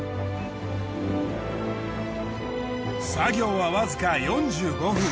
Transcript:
作業はわずか４５分。